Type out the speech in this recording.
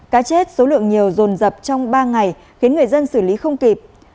cá chết số lượng nhiều dồn dập trong ba ngày khiến người dân xử lý không kịp